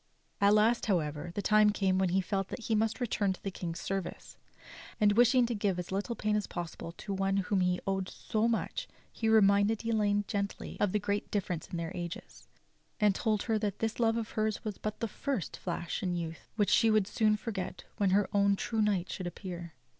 At last, however, the time came when he felt that he must return to the King's service; and wishing to give as little pain as possible to one to whom he owed so much he reminded Elaine gently of the great difference in their ages, and told her that this love of hers was but the first flash in youth which she would soon forget when her own true knight should appear.